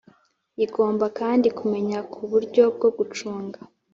Igomba kandi kumenya ko uburyo bwo gucunga